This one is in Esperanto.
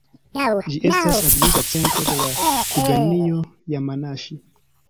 Ĝi estas administra centro de la gubernio Jamanaŝi.